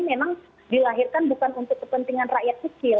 memang dilahirkan bukan untuk kepentingan rakyat kecil